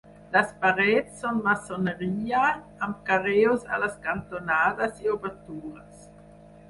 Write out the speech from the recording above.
Les parets són maçoneria, amb carreus a les cantonades i obertures.